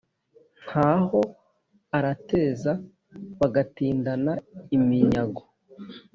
ntaho urateza bagatindana iminyago.